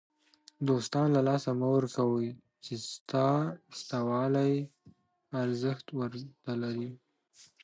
دوستان له لاسه مه ورکوئ! چي ستا سته والى ارزښت ور ته لري.